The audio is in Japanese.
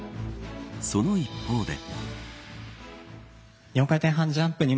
その一方で。